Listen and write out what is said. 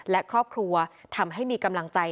และครอบครัวทำให้มีกำลังใจ